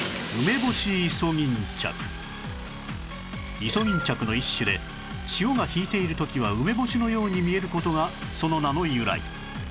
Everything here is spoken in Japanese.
イソギンチャクの一種で潮が引いている時は梅干しのように見える事がその名の由来